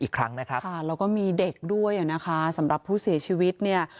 อีกครั้งนะครับค่ะแล้วก็มีเด็กด้วยอ่ะนะคะสำหรับผู้เสียชีวิตเนี่ย